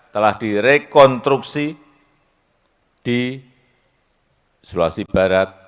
telah direkonstruksi di sulawesi barat